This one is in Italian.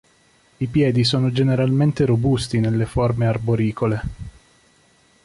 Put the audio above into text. I piedi sono generalmente robusti nelle forme arboricole.